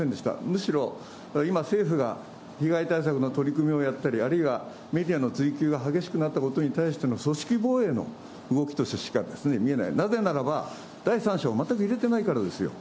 むしろ、今、政府が被害対策の取り組みをやったり、あるいはメディアの追及が激しくなったことに対しての組織防衛の動きとしてしか見えない、なぜならば、第三者を全く入れてないからですよ。